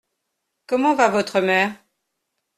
Comment va votre mère ?